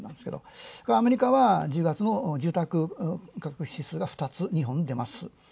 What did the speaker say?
アメリカは１０月の住宅価格指数が出ます